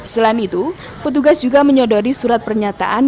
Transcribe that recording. selain itu petugas juga menyodori surat pernyataan